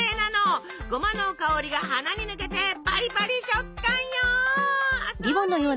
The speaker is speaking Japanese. ゴマの香りが鼻に抜けてパリパリ食感よあっそれ！